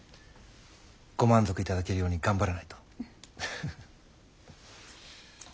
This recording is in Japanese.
ご満足いただけるように頑張らないと。